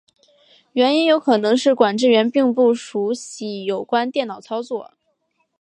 原因有可能是管制员并不熟习有关电脑操作。